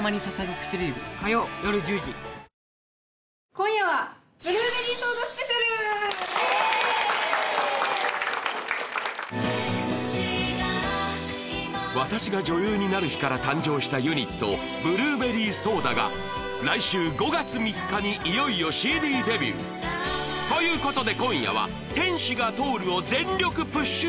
今夜は天使が今「私が女優になる日」から誕生したユニットブルーベリーソーダが来週５月３日にいよいよＣＤデビューということで今夜は「天使が通る」を全力プッシュ